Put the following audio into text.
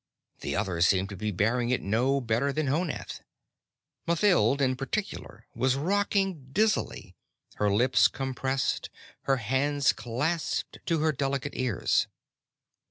The others seemed to be bearing it no better than Honath. Mathild in particular was rocking dizzily, her lips compressed, her hands clasped to her delicate ears.